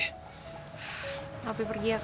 tapi pergi ya kak